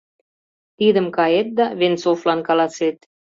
— Тидым кает да Венцовлан каласет.